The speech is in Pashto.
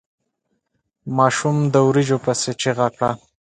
ماشوم د وريجو پسې چيغه کړه.